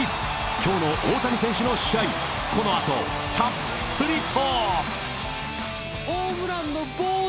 きょうの大谷選手の試合、このあと、たっぷりと。